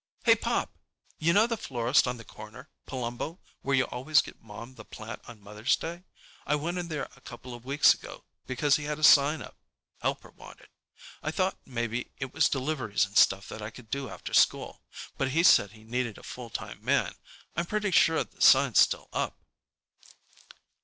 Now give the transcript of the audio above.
"Hey, Pop! You know the florist on the corner, Palumbo, where you always get Mom the plant on Mother's Day? I went in there a couple of weeks ago, because he had a sign up, 'Helper Wanted.' I thought maybe it was deliveries and stuff that I could do after school. But he said he needed a full time man. I'm pretty sure the sign's still up."